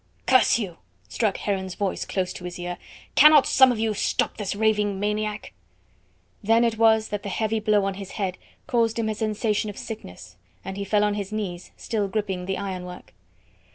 "Curse you," struck Heron's voice close to his ear. "Cannot some of you stop this raving maniac?" Then it was that the heavy blow on his head caused him a sensation of sickness, and he fell on his knees, still gripping the ironwork.